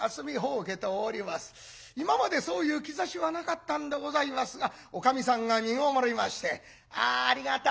今までそういう兆しはなかったんでございますがおかみさんがみごもりまして「あありがたい。